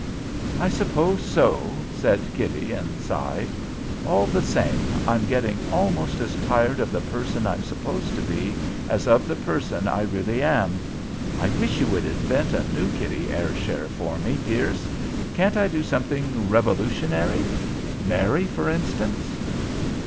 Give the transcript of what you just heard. "I suppose so," said Kitty, and sighed. "All the same, I'm getting almost as tired of the person I'm supposed to be as of the person I really am. I wish you would invent a new Kitty Ayrshire for me, Pierce. Can't I do something revolutionary? Marry, for instance?"